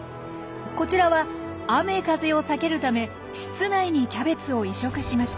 こちらは雨風を避けるため室内にキャベツを移植しました。